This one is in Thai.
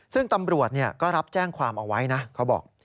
ซึ่งตำรวจก็รับแจ้งความเอาไว้นะเขาบอก